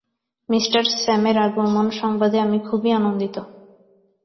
Me স্যামের আগমন-সংবাদে আমি খুবই আনন্দিত।